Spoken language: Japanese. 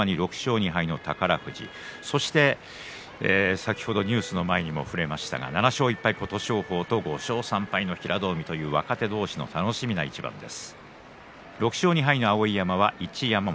先ほどニュースの前にも触れましたが７勝１敗の琴勝峰と５勝３敗の平戸海という若手同士の楽しみな一番です。